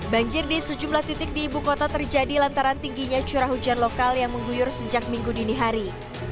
banjir di sejumlah titik di ibu kota terjadi lantaran tingginya curah hujan lokal yang mengguyur sejak minggu dini hari